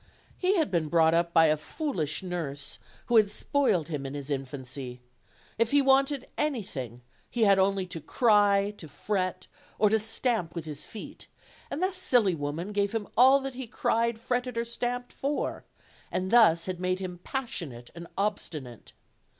He had been brought up by a foolish nurse, who had spoiled him in his infancy. If he wanted anything, he had only to cry, to fret, or to stamp with his feet, and the silly woman gave him all that he cried, fretted or stamped for, and thus had made him passionate and ob stinate.